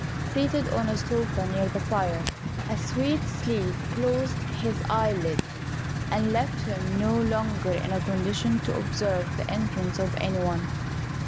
Seated on a sofa near the fire, a sweet sleep closed his eyelids, and left him no longer in a condition to observe the entrance of any one.